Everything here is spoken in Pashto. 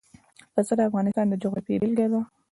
پسه د افغانستان د جغرافیې بېلګه ده.